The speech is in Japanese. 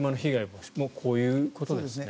もうこういうことですね。